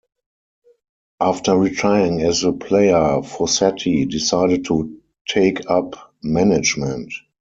After retiring as a player, Fossati decided to take up management.